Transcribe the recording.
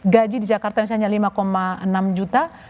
gaji di jakarta misalnya lima enam juta